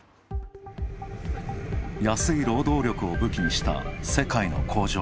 安い労働力を武器にした世界の工場。